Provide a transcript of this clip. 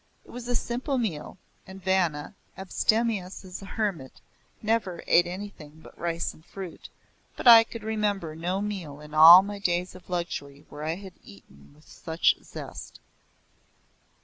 It was a simple meal, and Vanna, abstemious as a hermit never ate anything but rice and fruit, but I could remember no meal in all my days of luxury where I had eaten with such zest.